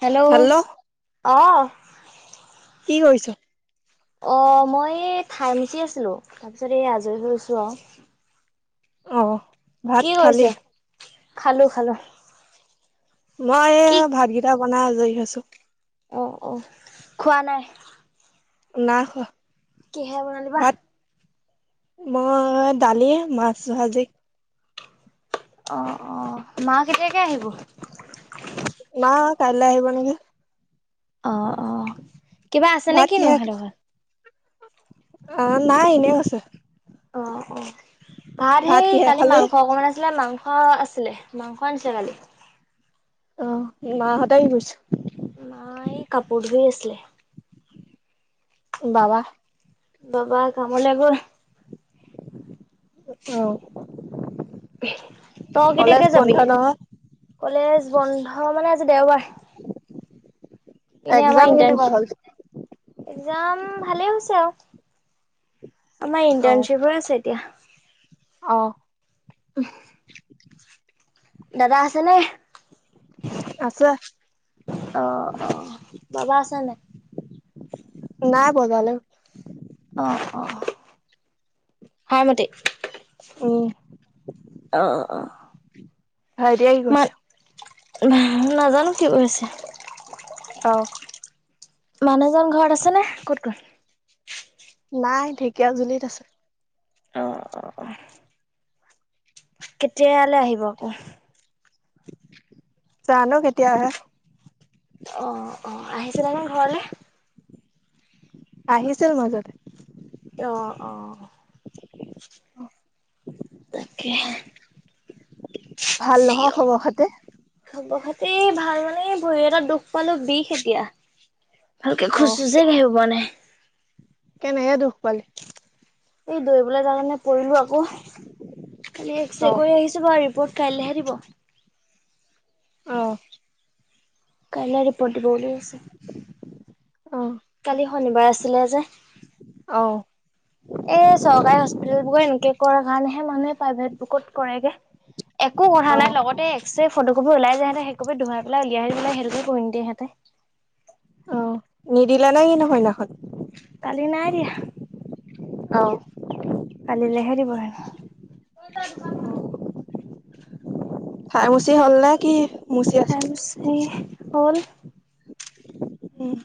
Hello আহ কি কৰিছ অ মই এই থাইমচি আছিলো তাৰপিছত এই আজৰি হৈ আছো অ অ ভাত খালি খালোঁ খালোঁ মই এই ভাতকেইটা বনাই আজৰি আছো আহ অ খোৱা নাই নাখোৱা কহে বনাল বা মই দালিয়ে মাছ ভাজি অ' অ' মা কেতিয়াকে আহিব না কাইলৈ আহিব নেকি অ' অ' কিবা আছে নে ভাত কিনো কিহে সেঁতে হত অ' নাই এনেই আছ অ' অ' ভাত সেই কিহে কালি খালি? মাংস অকমান আছিলে মাংস অ' আছিলে মাংস আ চাগালি অ' ম সদায় কি কৰিছো নাই কাপোৰ ধ আছিলে বাবা বাবা কামলৈবোৰ আহ ত কেতিয়াকে যাবিগে নহয়। কলেজ বন্ধ মানে আজি দেওবাৰ এনে এক্জাম কেনে ভঢ় একাম ভালেই হৈছে আৰু আমাৰ ইটাৰণশ্বিপৰ আছে এতিয়া, আহ দাদা আছে নে? আছ অ' অ' বাবা আছে নে? নাই বজালে অ' অ' হয় মতে উম আহ আহ। হৰি আহি কৈছো নাজানো কি কৰি হৈছে? অ' মানুহজন ঘৰত আছেনে ক'ত ক'ত নাই ঢেকীয়া জুলিত আছে। অ' অ' কেতিয়ালৈ আহিব আকৌ জানো কেতিয়াহে অ' অ' আহিছিল দে ন ঘৰলে আহিছিল মাজতে, অ', অ' তাকে ভাল নহয় খবৰ খাতে এই ভাল মানে এই ভৰি এটা দুখ পালো বিষ এতিয়া। ভালকে খোজ অহ চোজে স ব নাই। কেনেহে দুখ পালে এই দৈবলৈ জে নে। কৰিলো আকৌ খালি এক্স ৰে অহ কৰি আহিছো বাৰ ৰিপৰ্ট কাইলৈহে দিব। আহ। কলৈ ৰৰিপৰ্ট বৌলে আ কালি শনিবাৰ আছিলে যে, অহ এ চৰকাৰী হস্পিতেল বোৰে এনেকে মানুে প্ৰ বুক কৰেগ একো কথা নাই ফটো কপবি ওাইায় সহঁতে সেইকবি ধুুৱাইেলাই উলিয়াই আহ পেলাই সেইটোকে কৰি নিয়ে সহেঁতে অ' নিদিলা নাই নহয়নাখন কালি নাই দিয়া অ' কাল লেহেৰিবন খাই মচি হ'ল ন কি। মুচি আছ থেং হ'ল। উম'।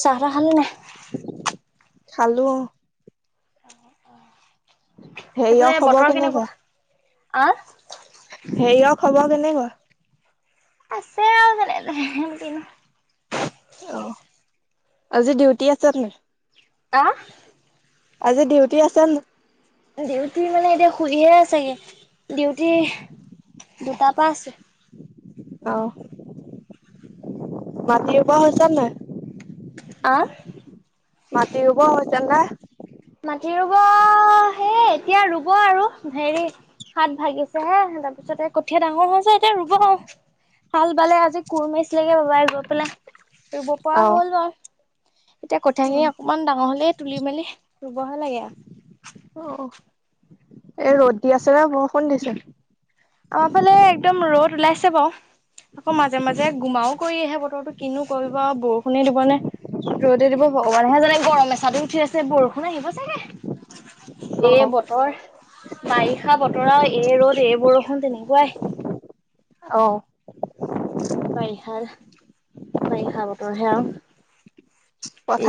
চাহ‌ তাহ খালানে নাই? খালো। সেইফালে হেৰিয়ৰ খবৰ বতৰ কেনেকুৱা, আহ হেৰিয়ৰ খবৰ কেনেকুৱা? চেয়াল তেনে কিনো অ আজি ডিউটি আছে আপোনাৰ অহ। আজি ডিউটি আছে ন'। ডিউটি মানে এতিয়া শুইহে আছোগে ডিউটি। দুটাপা‌ আছে। অ', মাটি ৰ'ব হৈছেনে নাই? অহ। মাটি ৰুব [unintelligible] মাটি ৰুব সে এতিয়া ৰুব আৰু হেৰি হাত ভাগিছে হে তাৰপিছতে কঠীয়া ডাঙৰ হৈ হৈছে এতিয়া ৰুব আৰু হাল বালে আজি কোৰ মাৰিছিল লেগে বাবাই গৈ পেলাই, ৰুব পৰা অহ হ'ল বাৰু এতিয়া কঠিয়াখিনি অকমান ডাঙৰ হ'লে তুলি- মেলি ৰুবহে লাগে আৰু এ, ৰ'দ দি আছেনে বৰষুণ দিছে? আমাৰ ফালে একদম ৰ'দ ওলাইছে বাৰু, আকৌ মাজে-মাজে গোমাও কৰি আহে বতৰটো। কিনো কৰিব আৰু বৰষুণে দিব নে ৰ'দ দিব। ভগৱানেহে জানে গৰম এচাতি উঠি আছে বৰষুণ আহিব চাগে, এই বতৰ বাৰিষা বতৰত এই ৰ'দ, এই বৰষুণ তেনেকুৱাই। অ'। বাইৰিষা বাৰিষা বতৰহে আৰু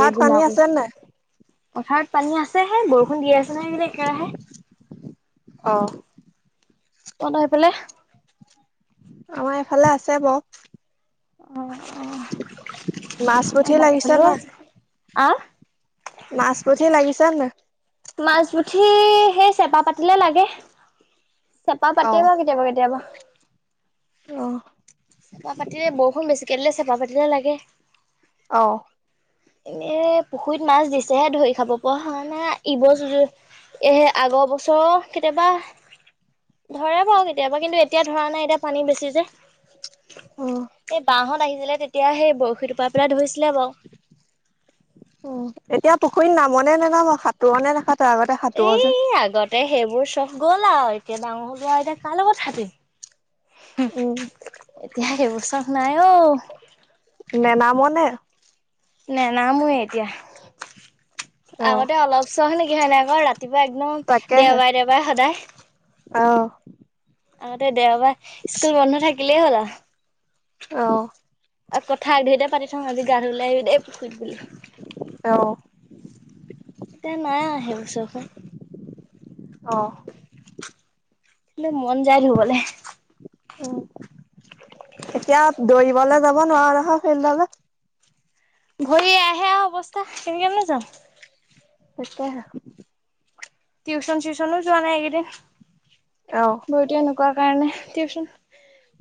এই পানী গুমাকো আছে নাই? পথাৰত পানী আছেহে, বৰষুণ দি আছে নহ বোলে একেৰাহে। অ'। অন হৈ পেলাই আমাৰ এইফালে আছে বাৰু। অ' নাচপতি অ' মই লাগিছে ভলো আছো আহ। মাছ-পুঠি লাগিছে নাই? মাাছ, পুঠি সেই চেপা পাতিলে লাগে। চেপা পাতিবা কেতিয়াবা, কেতিয়াবা। অহ। চেপা পাতিলে বৰষুণ বেছিকে দিলে, চেপা পাতিলে লাগে। অহ। এনে পুখুৰীত মাছ দিছেহে ধৰি খাব পৰা হোৱা নাই ইবছৰ এহে আগৰ বছৰৰ কেতিয়াবা। ধৰে বাৰু কেতিয়াবা কিন্তু এতিয়া ধৰা নাই এতিয়া পানী বেছি যে' উ এই বাহঁত আহিছিলে তেতিয়া সেই বৰশী টোপ পেলাই ধৰিছে। এতিয়া পুখুৰীত নামনে নানাম, সাঁতোৰণে নাখা এ আগতে সেইবোৰ চব গ'ল আৰু এতিয়া ডাঙৰ হবোৱা এতিয়া কাৰ লগত সাঁতুৰিম। উম এতিয়া হেই চক নাই ও। নেনামনে নেনামো এতিয়া অ আগতে অলপ চখ নেকি হয় নাই ক' আকৌ ৰাতি ৰাতিপুৱা একদম তাকেহে দেওবাৰে, দেওবাৰে সদায়। অ'। আগতে দেওবাৰ ইস্কুল বন্ধ থাকিলেই হ'ল আৰু। আহ আৰু কথা আগ ধৰি দে পাতি থওঁ আজি গা ধ লাই আহি দেেইুুৰত বুলি অ এতিয়া নাই আহে চৰক অ কিন্তু মন যায় ধবলৈ উ এতিয়া দৌৰিবলে যাব নোৱাৰো নহয় ফিল্ডলে ঘৰি আহে অৱস্থা কেনেক ন যাওঁ সতিয়া টিউশন চিউচনো যোৱা নাই অ এইকেইদিন বহত কাৰণে টিউচন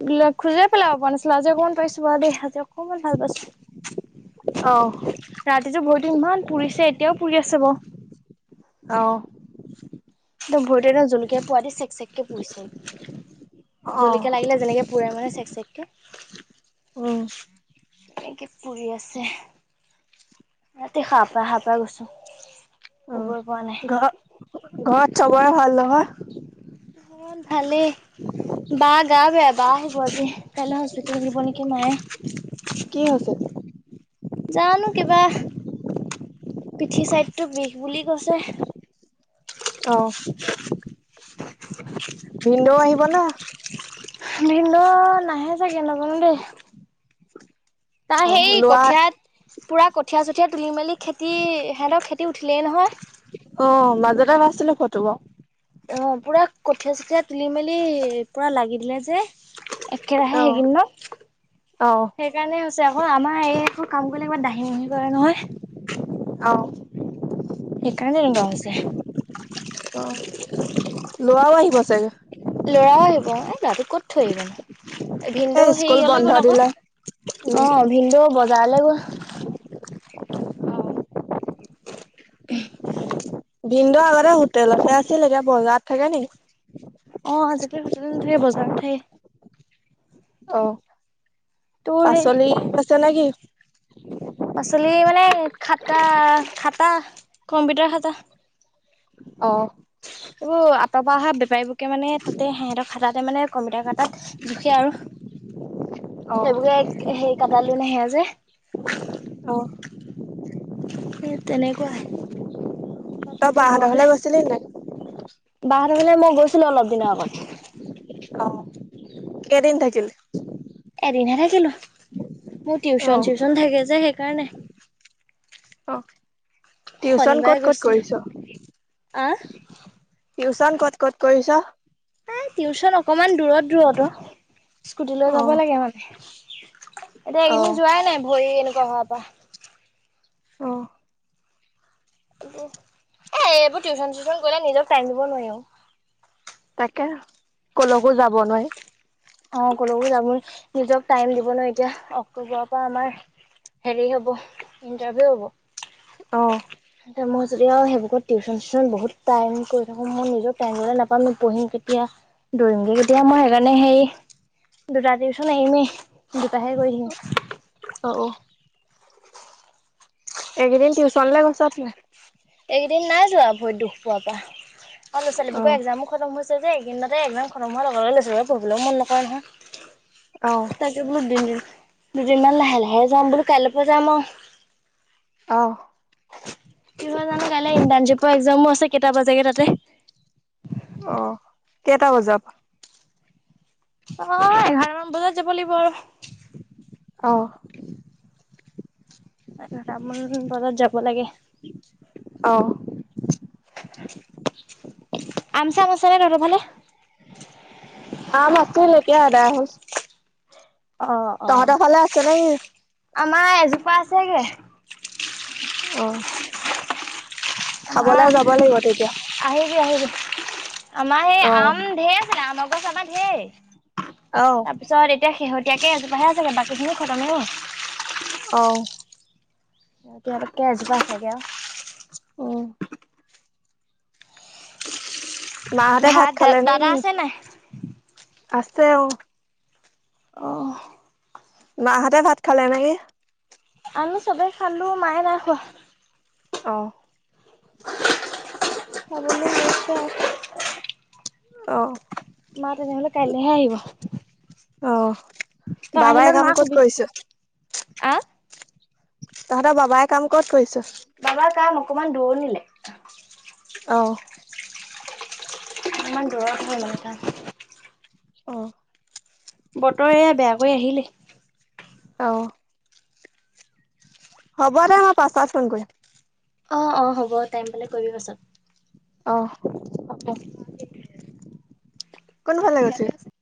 বিলাক খোজাই পেলাইাব পৰা নাছিলে আজি অকমান পাইছো বা দে আজি অকণমান ভাল অ পাইছো ৰাতিটোো ভৰিতো ইমান পুৰিছে এতিয়াও পুৰি আছে ব আহ ভৰিত জলকীয়া পুৱ দি চেক চেককে পুহছিল অ জলিকা লাগিলে যেনেকে পুৰেৰে মানে চেক চেককে উ এনেকে কৰিৰি আছে ৰাতি খাহ পা খাহ পা গৈছো অ শুবই পৰা নাই ঘ ঘৰত চবৰে ভাল ন হয় অ ভালে বা গা বেয়া বা আহিব আজি কাইলৈ হস্পিতেেলত দিব নেকি মায়ে কি আছিল যাানো কিবা পিঠি চাইডতটো বিষ বুলি কৈছে আহ [unintelligible] ভন্দ আহিব না নিন্তু নাহে চাগে নাপন দেই তাৰ অ সেই লৰা কঠিয়াত পুৰা কঠিয় চঠীয়া তুলি মেলি খেতি সিহঁতক ৰা উঠিলেই নহয় অ মাজতে নাছিলো ফটোবোৰ অ পুৰা কঠীয়া চঠিয়ীয়া তুলি মেলি পুৰা লাগি দিলে যে একেৰাহে সেইকিন ন অ সেইকাৰণে হৈছে আকৌ আমাৰ এই ত কাম কৰিলে ইমান দাহি মুহি কৰে নহয় আহ সেইকাৰণে লগগ আছে লোৱাও আহি বচাগে ল'ৰাও আহিব এ দাদু ক'ত থৈ আহিব ন তাকে ভিনদে স্কুল হেৰিয়লে বন্ধ গ'ল দিলে আকৌ উম অ ভিনদে বজাৰলে গ'ল ভিনন্দু আগতে হোটেলহে আছিল এতিয়া বজাৰত থাকে নেকি অ আজিকালি হোটেল নাথাকে বজাৰত থে অ তোৰ সেই পাচলি আছে নে কিি পাচলি খাতা খাতা কম্পিউটাৰ খাতা! অ এইটো আতৰ পৰা অহ বেপাৰীোৰ মানে তাতে সিহঁতৰ খাতাতে মানে কমিতা কটাত জুখে আৰু অ সেইবৰেে হেই কটালো নাহে যে অ স তেনেকুৱাই তই তাপকে বাহঁতৰ লগতে ঘৰলে গৈছিলি নাই বাহিৰলৈ মানে মই গৈছিলো অলপ দিনৰ আগত। অহ, কেইদিন থাকিল। এদিন হে থাকিলো। মোৰ অ টিউচন চিউচন থাকে যে সেইকাৰণে। অঁ। টিউচন শনিবাৰে ক'ত ক'ত গৈছিলো কৰিছ? আহ টিউচন ক'ত ক'ত কৰিছ। এ, টিউচন অকমান দূৰত দূৰত অহ, স্কুটি লৈ অ যাব লাগে মানে। এতিয়া, অ এইকেইদিন যোৱাই নাই ভৰি এনেকুৱা হোৱা পা অহ। এ, এইবোৰ টিউচন চিউচন গলে নিজক টাইম দিব নোৱাৰি আৰু। তাকে, কলৈকো যাব নোৱাৰি। অহ, কলৈবো যাব নিজক টাইম দিব নোৱাৰি এতিয়া, অক্টোবৰৰ পৰা আমাৰ হেৰি হব, ইণ্টাৰভিউ হব। অ মই যদিও, সেইবুকত টিউচন চিউচন বহুত টাইম কৰি থাকোঁ মই নিজৰ টাইমলৈ নাপাম পঢ়িম কেতিয়া দৌৰিমগে এতিয়া মই সেইকাণে, হেৰি। দুটা টিউচন এৰিমেই, দুটাহে কৰিম। অ একদিন টিউচনলে গৈছ নাই? এইকেইদিন নাই যোৱা, ভৰিত দুখ পোৱাৰ পা আৰু ল'ৰা অ ছোৱালীবোকৰ এক্জামো খতম হৈছে যে। এই‌ কেইদিনতে একজাম খতম লগে লৈছো, পঢ়িবলেও মন নকৰে অ নহয় তাকে, বোলো দিন দিন। যিমান লাহে লাহে যাম বোলো, কাইলৈকে যাম আৰু। অহ। কিয় জানো কাইলৈ ইণ্টাৰ্ণশ্বিপৰ এক্জামো আছে, কেইটা বজাগে তাতে। অ, কেইটা বজাত? অ', এঘাৰ মান বজাত যাব লাগিব ৰ। অঁ। এঘাৰটা বজাত যাব লাগে। [unintelligible] আম চাম আছেনে তহঁতৰ ফালে। আম আছিল, এতিয়া এদাই হল। অ অ তহঁতৰ ফালে আছে নেকি? আমাৰ এজোপা আছেগে। আমাৰ খাবলৈ যাব লাগিব তেতিয়া। আহিবি আহিবি আমাৰ সেই অ আম ঢেৰ আছিলে, আমৰ গছ আমাৰ ঢেৰ। আহ তাৰপিছত এতিয়া, শেহতীয়াকে এজোপাহে আচেগে বাকী খিনি খতমে হ'ল। অহ। এতিয়া-এজোপা আছেগে আও উম। মাহঁতে ভাত খালে দাদা নেকি। আছে নাই আছে, অহ। অঁ। মাহঁতে ভাত খালে নেকি। আমি চবে খালো, মায়ে নাই খোৱা। অঁ। [unintelligible] চাবলে গৈছে। অহ', কাইলৈহে আহিব অহ, তই বাবাই আহিলে কাম মাক ক'ত শুবি কৰিছে? আহ তহঁতৰ বাবাই কাম ক'ত কৰিছে? বাবাৰ কাম অকমান দুৰত ণি অহ। ইমান দূৰত হ'ল একা। অহ', বতৰ এয়া বেয়াকৈ আহিলে। অ। হ'ব দে মই পাছত ফোন কৰিম। অ', অ', হ'ব, টাইম পালে কৰিবি পাছত। অ', হ'ব কোনফালে [unintelligible]